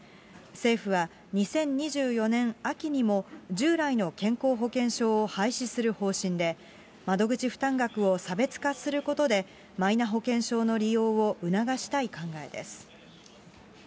政府は、２０２４年秋にも従来の健康保険証を廃止する方針で、窓口負担額を差別化することで、マイナ保険証の利用を促したい考えです。